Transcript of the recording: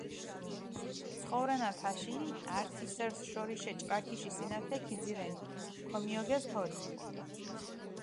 ცხოვრენა თაშინი, ართი სერს შორიშე ჭრაქიში სინათლე ქიძირენი, ქომიოგეს თოლი.